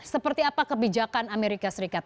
seperti apa kebijakan amerika serikat